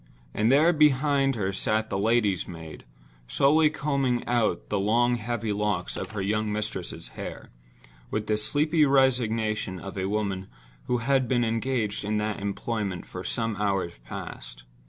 And there behind her sat the lady's maid, slowly combing out the long heavy locks of her young mistress's hair, with the sleepy resignation of a woman who had been engaged in that employment for some hours past.